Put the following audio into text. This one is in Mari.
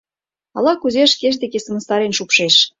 Ала-кузе шкеж деке сымыстарен шупшеш.